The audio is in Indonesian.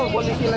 nggak tahu saya